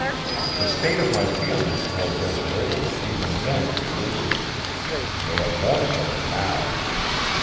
The state of my feelings toward Desiree were even then elusive; they are more so now.